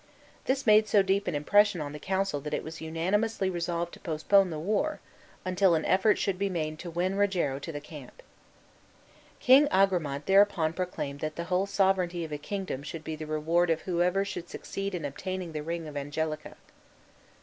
This made so deep an impression on the council that it was unanimously resolved to postpone the war until an effort should be made to win Rogero to the camp. King Agramant thereupon proclaimed that the sovereignty of a kingdom should be the reward of whoever should succeed in obtaining the ring of Angelica.